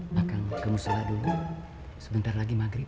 pak kang kamu sholat dulu sebentar lagi maghrib